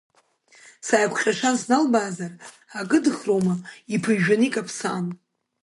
Сааикәҟьашан сналбаазар, акыдхроума иԥыжәжәаны икаԥсан.